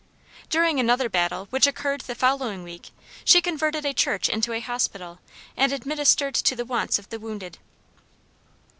During another battle, which occurred the following week, she converted a church into a hospital, and administered to the wants of the wounded.